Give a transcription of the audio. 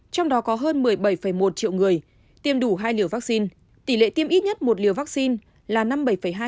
trong đó có hơn một mươi bảy một triệu người tiêm đủ hai liều vaccine tỷ lệ tiêm ít nhất một liều vaccine là năm mươi bảy hai